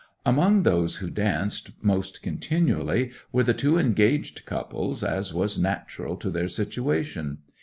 'Among those who danced most continually were the two engaged couples, as was natural to their situation.